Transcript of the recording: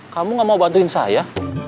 kamu gak mau bantuin saya